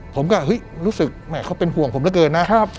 ผมก็รู้สึกเขาเป็นห่วงผมเกินน่ะ